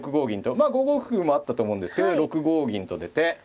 まあ５五歩もあったと思うんですけど６五銀と出て。